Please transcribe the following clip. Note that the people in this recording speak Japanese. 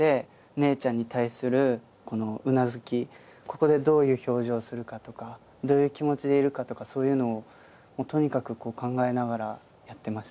ここでどういう表情するかとかどういう気持ちでいるかとかそういうのをとにかく考えながらやってましたね。